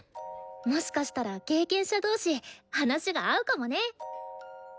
もしかしたら経験者同士話が合うかもね。